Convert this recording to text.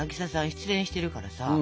失恋してるからさ。